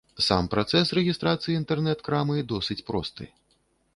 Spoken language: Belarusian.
Сам працэс рэгістрацыі інтэрнэт-крамы досыць просты.